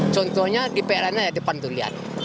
contohnya di pln nya ya depan tuh lihat